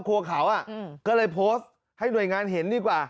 ครัวเขาก็เลยโพสต์ให้หน่วยงานเห็นดีกว่า